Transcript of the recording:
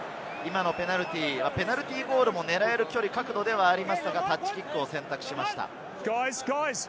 ペナルティーゴールも狙える距離と角度ではありましたが、タッチキックを選択しました。